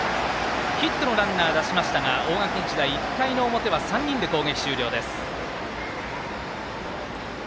ヒットのランナー出しましたが大垣日大、１回の表は３人で攻撃終了です。